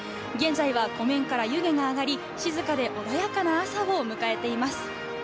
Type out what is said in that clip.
現在は湖面から湯気が上がり、静かで穏やかな朝を迎えています。